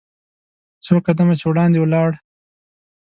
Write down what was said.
څو قدمه چې وړاندې ولاړ .